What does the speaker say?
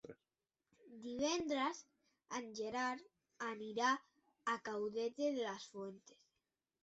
Divendres en Gerard anirà a Caudete de las Fuentes.